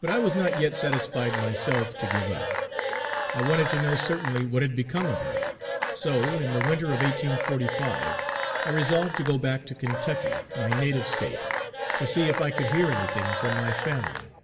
But I was not yet satisfied myself, to give up. I wanted to know certainly what had become of her. So in the winter of 1845, I resolved to go back to Kentucky, my native State, to see if I could hear anything from my family.